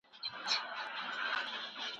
دا چې مې دواړې سترگې سرې، هغه مې بيا ياديږي